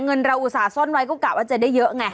เงินเราอุตส่าห้อยไว้ก็กะว่าจะได้เยอะไง